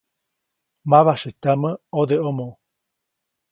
Mabasyätyamä ʼodeʼomo.